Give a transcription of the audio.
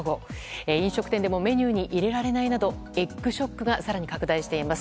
飲食店でもメニューに入れられないなどエッグショックが更に拡大しています。